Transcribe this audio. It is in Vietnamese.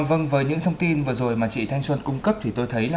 vâng với những thông tin vừa rồi mà chị thanh xuân cung cấp thì tôi thấy là